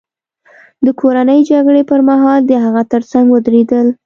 د کورنۍ جګړې پرمهال د هغه ترڅنګ ودرېدل.